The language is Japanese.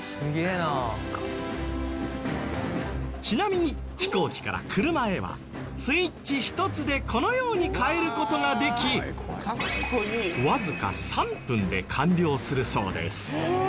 ちなみに飛行機から車へはスイッチ１つでこのように変える事ができわずか３分で完了するそうです。